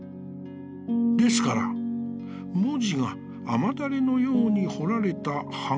ですから、文字が雨だれのように彫られた板画なんです」。